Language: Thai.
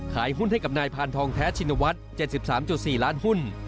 ขายหุ้นให้กับนายพานทองแท้ชินวัฒน์๗๓๔ล้านหุ้น